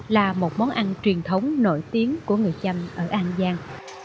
là một món ăn truyền thống nổi tiếng của người trăm ở an giang